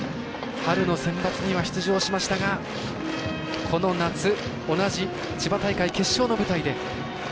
春のセンバツには出場しましたが、この夏同じ千葉大会決勝戦の舞台で。